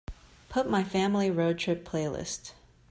put my Family Road Trip playlist